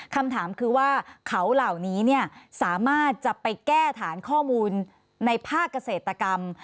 คำถามคือว่าเขาเหล่านี้สามารถจะไปแก้ฐานข้อมูลในภาคเกษตรกรรม